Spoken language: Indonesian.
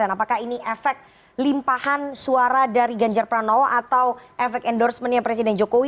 apakah ini efek limpahan suara dari ganjar pranowo atau efek endorsementnya presiden jokowi